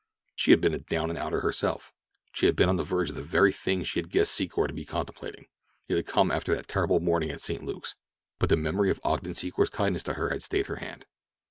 She had been a "down and outer" herself. She had been on the verge of the very thing she had guessed Secor to be contemplating—it had come after that terrible morning at St. Luke's—but the memory of Ogden Secor's kindness to her had stayed her hand.